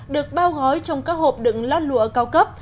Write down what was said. được bao gói trong các hộp đựng lát lụa cao cấp